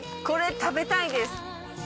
これ食べたいです。